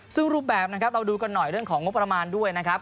ซึ่งรูปแบบนะครับเราดูกันหน่อยเรื่องของงบประมาณด้วยนะครับ